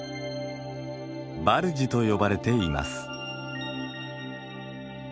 バルジと呼ばれています。